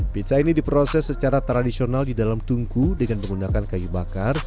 pizza ini diproses secara tradisional di dalam tungku dengan menggunakan kayu bakar